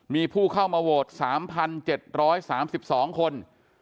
มีผู้เข้ามาโหวต๓๗๓๒คน